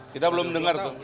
kita belum dengar tuh